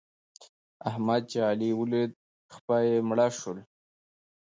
احمد چې علي وليد؛ خپه يې مړه شول.